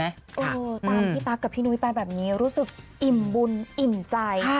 เออตามพี่ตั๊กกับพี่นุ้ยไปแบบนี้รู้สึกอิ่มบุญอิ่มใจ